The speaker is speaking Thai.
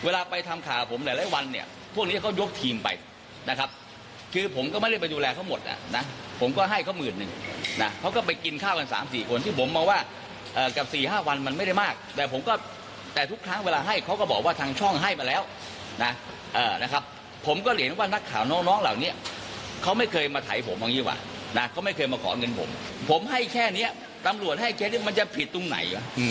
แล้วก็ยกทีมไปนะครับคือผมก็ไม่ได้ไปดูแลเขาหมดนะผมก็ให้เขามืดหนึ่งนะเขาก็ไปกินข้าวกัน๓๔คนที่ผมเอาว่ากับสี่ห้าวันมันไม่ได้มากแต่ผมก็แต่ทุกครั้งเวลาให้เขาก็บอกว่าทางช่องให้มาแล้วนะนะครับผมก็เห็นว่านักข่าวน้องน้องเหล่านี้เขาไม่เคยมาไถผมว่างี้ว่ะนะเขาไม่เคยมาขอเงินผมผมให้แค่เนี้ยตำรวจให้แค่นี้มันจะผิ